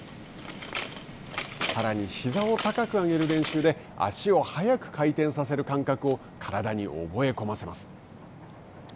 さらにひざを高く上げる練習で足を早く回転させる感覚を体に覚え込ませます。